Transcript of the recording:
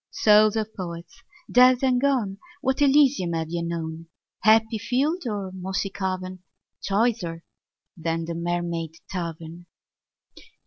Souls of Poets dead and gone, What Elysium have ye known, Happy field or mossy cavern, Choicer than the Mermaid Tavern?